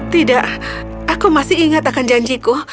tidak aku masih ingat akan janjiku